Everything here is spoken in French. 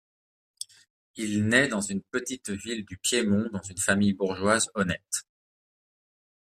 Il naît dans une petite ville du Piémont dans une famille bourgeoise honnête.